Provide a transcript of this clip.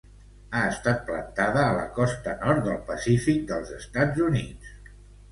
Ha estat plantada a la costa nord del Pacífic dels Estats Units.